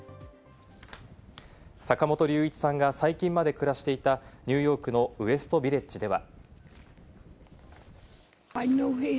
坂本龍一さんが最近まで暮らしていたニューヨークのウエスト・ビレッジでは。